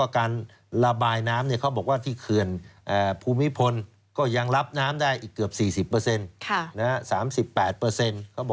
การระบายน้ำเขาบอกว่าที่เขินภูมิพลอยากรับน้ำได้อีกเกือบ๔๐